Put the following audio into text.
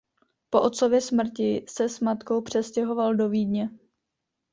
Po otcově smrti se s matkou přestěhoval do Vídně.